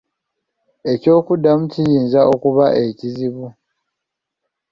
Eky’okuddamu kiyinza okuba ekizibu.